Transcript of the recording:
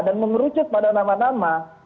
dan mengerucut pada nama nama